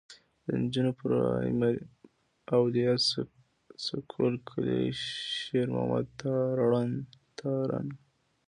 د نجونو پرائمري سکول کلي شېر محمد تارڼ.